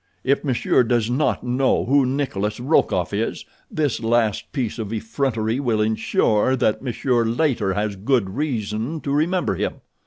If monsieur does not know who Nikolas Rokoff is, this last piece of effrontery will insure that monsieur later has good reason to remember him."